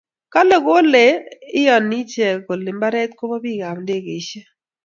kale kole iani ichek kole mbaret kobo bik ab ndegeishek